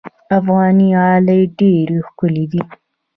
افغاني غالۍ ډېرې ښکلې دي.